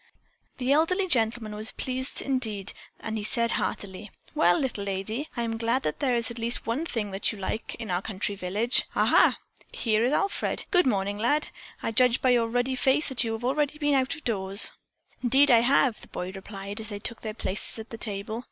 The elderly gentleman was indeed pleased and he said heartily: "Well, little lady, I am glad that there is at least one thing that you like in our country village. Aha! Here is Alfred. Good morning, lad, I judge by your ruddy face that you have already been out of doors." "Indeed I have," the boy replied as they took their places at the table.